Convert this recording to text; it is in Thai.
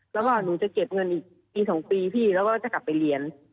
แล้วก็หนูจะเก็บเงินอีก๒ปีพี่แล้วก็จะกลับไปเรียน